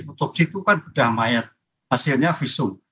otopsi itu kan beda mayat hasilnya visum